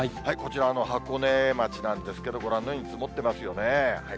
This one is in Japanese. こちら、箱根町なんですけれども、ご覧のように、積もってますよね。